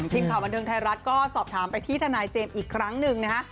ทีมข่าวบันเทิงไทยรัฐก็สอบถามไปที่ทนายเจมส์อีกครั้งหนึ่งนะฮะ